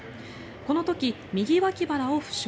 この時、右脇腹を負傷。